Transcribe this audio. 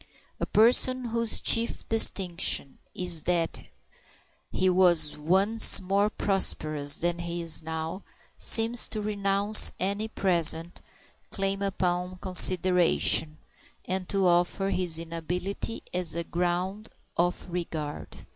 A person whose chief distinction is that he was once more prosperous than he is now seems to renounce any present claim upon consideration, and to offer his inability as a ground of regard.